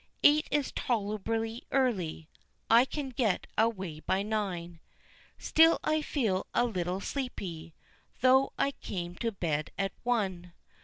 Eight is tolerably early; I can get away by nine. Still I feel a little sleepy, though I came to bed at one.